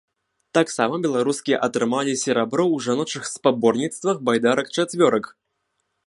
Таксама беларускі атрымалі серабро ў жаночых спаборніцтвах байдарак-чацвёрак.